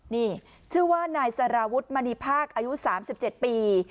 นี่ชื่อว่านายสารวุฒิมณีภาคอายุ๓๗ปี